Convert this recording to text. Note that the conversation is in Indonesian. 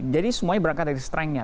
jadi semuanya berangkat dari kekuatannya